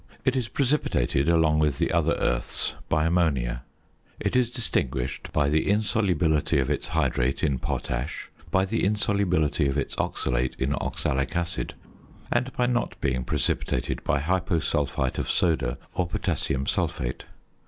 It is precipitated along with the other earths by ammonia. It is distinguished by the insolubility of its hydrate in potash, by the insolubility of its oxalate in oxalic acid, and by not being precipitated by hyposulphite of soda or potassium sulphate.